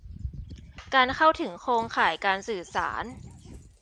การเข้าถึงโครงข่ายการสื่อสาร